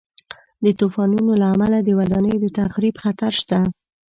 د طوفانونو له امله د ودانیو د تخریب خطر شته.